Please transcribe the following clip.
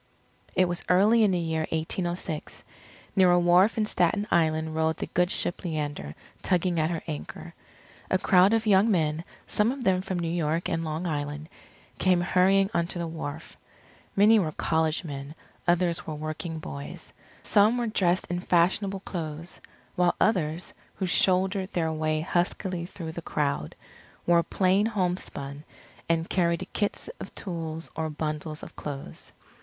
It was early in the year 1806. Near a wharf in Staten Island rode the good ship Leander tugging at her anchor. A crowd of young men, some of them from New York and Long Island, came hurrying onto the wharf. Many were college men, others were working boys. Some were dressed in fashionable clothes; while others, who shouldered their way huskily through the crowd, wore plain homespun and carried kits of tools or bundles of clothes.